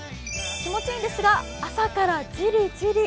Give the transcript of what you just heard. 気持ちいいんですが朝からジリジリ。